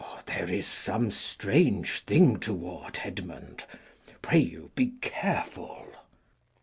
There is some strange thing toward, Edmund. Pray you be careful.